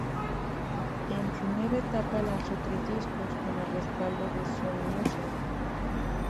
En su nueva etapa lanzó tres discos con el respaldo de Sony Music.